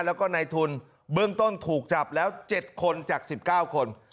แล้วก็ในทุนเบื้องต้นถูกจับแล้ว๗คนจาก๑๙คน